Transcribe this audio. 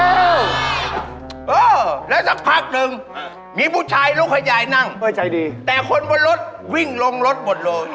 เออแล้วสักพักหนึ่งมีผู้ชายลุกให้ยายนั่งเออใจดีแต่คนบนรถวิ่งลงรถหมดเลย